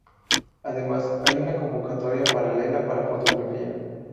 Además hay una convocatoria paralela para fotografía.